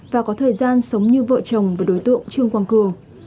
và có thời gian sống như vợ chồng với đối tượng trương quang cường